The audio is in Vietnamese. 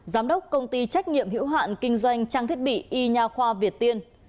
giám đốc công ty trách nhiệm hiểu hạn kinh doanh trang thiết bị y nhà khoa việt tiên